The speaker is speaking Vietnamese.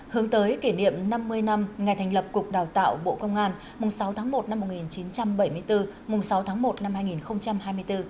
hướng tới kỷ niệm năm mươi năm ngày thành lập cục đào tạo bộ công an sáu tháng một năm một nghìn chín trăm bảy mươi bốn mùng sáu tháng một năm hai nghìn hai mươi bốn